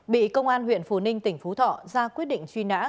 bị công an huyện phú ninh tỉnh phú thọ ra quyết định truy nã